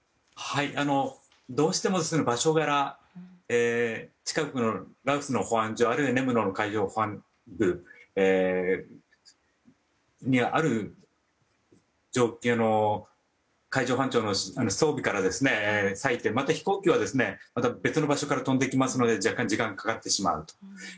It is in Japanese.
どうしても場所柄近くの羅臼の保安所根室の海上保安部にある海上保安庁の装備から準備をしてまた、飛行機は別の場所から飛んできますので若干時間がかかってしまう。